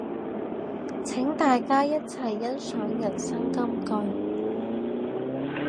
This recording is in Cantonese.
請大家一齊欣賞人生金句